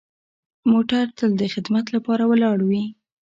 موټر تل د خدمت لپاره ولاړ وي.